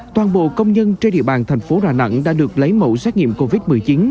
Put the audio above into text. toàn bộ công nhân trên địa bàn thành phố đà nẵng đã được lấy mẫu xét nghiệm covid một mươi chín